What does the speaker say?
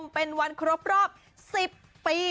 ไม่ต้องหลอกนะฟี